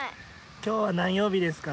今日は何曜日ですか？